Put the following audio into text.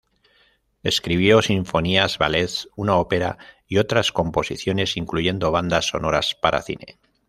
Escribió sinfonías, ballets, una ópera, y otras composiciones, incluyendo bandas sonoras para cine.